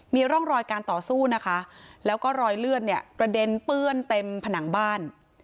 มีร่องรอยการต่อสู้นะคะแล้วก็รอยเลือดเนี่ยกระเด็นเปื้อนเต็มผนังบ้าน